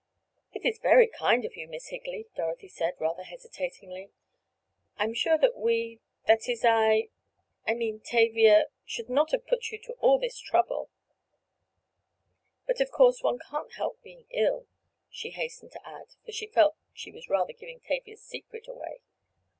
"It is very kind of you, Miss Higley," Dorothy said, rather hesitatingly. "I'm sure that we—that is I—I mean Tavia—should not have put you to all this trouble—but of course one can't help being ill," she hastened to add, for she felt she was rather giving Tavia's secret away.